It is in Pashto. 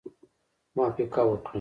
موافقه وکړه.